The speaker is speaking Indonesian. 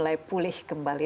mulai pulih kembali